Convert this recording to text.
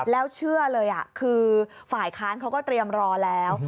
แล้วเชื่อเลยคือฝ่ายค้านเขาก็เตรียมรอแล้ว